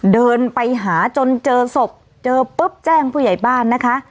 เดินไปหาจนเจอศพเจอปุ๊บแจ้งผู้ใหญ่บ้านนะคะ